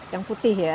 yang putih ya